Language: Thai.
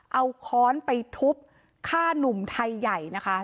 เอาค้อนไปทุบฆ่าหนุ่มไทยใหญ่นะคะ